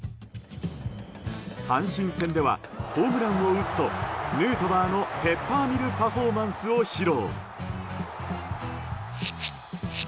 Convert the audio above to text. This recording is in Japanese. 阪神戦ではホームランを打つとヌートバーのペッパーミルパフォーマンスを披露。